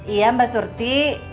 iya mbak surti